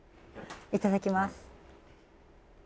いただきます。